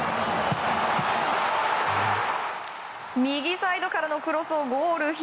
右サイドからのクロスをゴール。